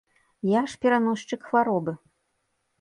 Я ж пераносчык хваробы!